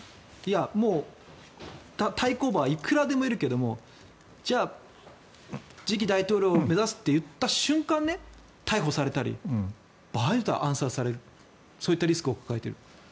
いやもう対抗馬はいくらでもいるけどじゃあ次期大統領を目指すと言った瞬間逮捕されたり場合によっては暗殺されるそういったリスクを抱えている。